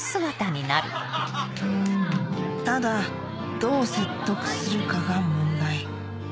ただどう説得するかが問題